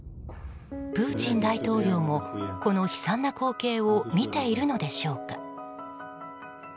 プーチン大統領もこの悲惨な光景を見ているのでしょうか。